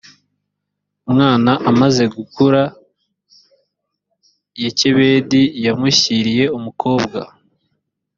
umwana amaze gukura yokebedi yamushyiriye umukobwa